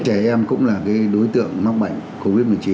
trẻ em cũng là đối tượng mắc bệnh covid một mươi chín